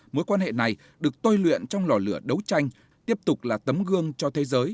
mối quan hệ này được tôi luyện trong lò lửa đấu tranh tiếp tục là tấm gương cho thế giới